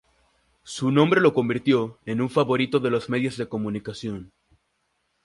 Su nombre lo convirtió en un favorito de los medios de comunicación.